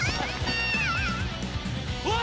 おい！